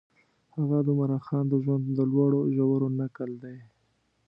هغه د عمرا خان د ژوند د لوړو ژورو نکل دی.